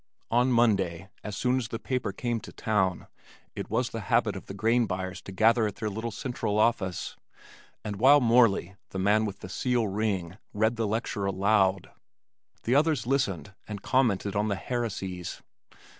On Monday as soon as the paper came to town it was the habit of the grain buyers to gather at their little central office, and while Morley, the man with the seal ring, read the lecture aloud, the others listened and commented on the heresies.